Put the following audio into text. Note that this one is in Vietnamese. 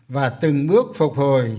và từng bước phục hồi